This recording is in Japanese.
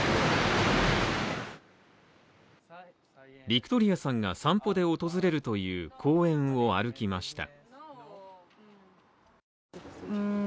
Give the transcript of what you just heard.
ビクトリアさんが散歩で訪れるという公園を歩きました。